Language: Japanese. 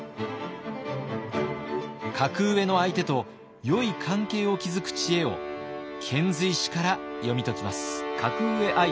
格上の相手とよい関係を築く知恵を遣隋使から読み解きます。